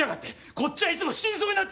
こっちはいつも死にそうになってんだ！